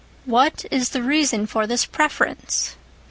What is the reason for this Preference?